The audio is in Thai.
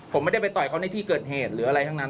ผมไม่ได้ไปต่อยเขาในที่เกิดเหตุหรืออะไรทั้งนั้น